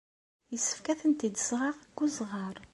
Yessefk ad tent-id-tseɣ deg uzɣar.